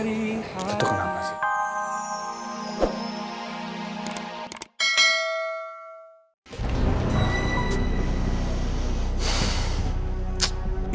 itu tuh kenapa sih